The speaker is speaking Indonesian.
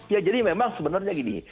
ya jadi memang sebenarnya gini